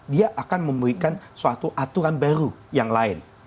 dia akan memberikan suatu aturan baru yang lain